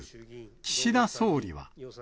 岸田総理は。